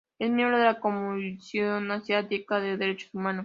Es miembro de la Comisión Asiática de Derechos Humanos